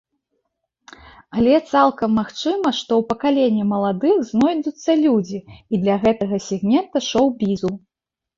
Але, цалкам магчыма, што ў пакаленні маладых знойдуцца людзі і для гэтага сегмента шоў-бізу.